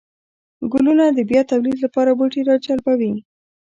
گلونه د بيا توليد لپاره بوټي راجلبوي